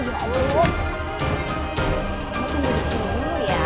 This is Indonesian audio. mama tunggu di sini dulu ya